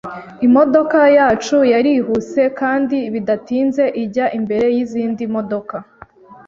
Imodoka yacu yarihuse kandi bidatinze ijya imbere yizindi modoka.